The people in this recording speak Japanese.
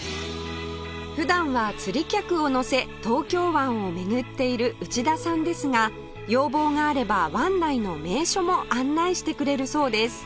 普段は釣り客を乗せ東京湾を巡っている内田さんですが要望があれば湾内の名所も案内してくれるそうです